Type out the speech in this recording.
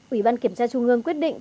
ủy ban kiểm tra trung ương quyết định